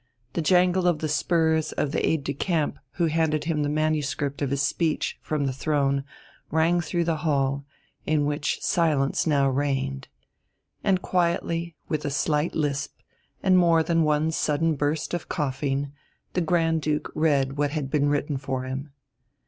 The jangle of the spurs of the aide de camp who handed him the manuscript of his Speech from the Throne rang through the hall, in which silence now reigned. And quietly, with a slight lisp, and more than one sudden burst of coughing, the Grand Duke read what had been written for him.